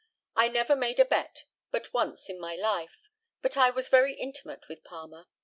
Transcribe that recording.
I never made a bet but once in my life; but I was very intimate with Palmer.